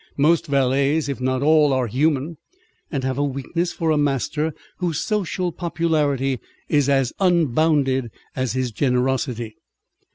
Most valets, if not all, are human, and have a weakness for a master whose social popularity is as unbounded as his generosity.